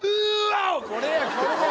これや！